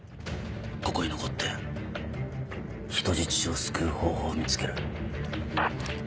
ここに残って人質を救う方法を見つける。